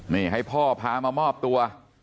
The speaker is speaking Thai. นี่ให้พ่อพามามอบตัว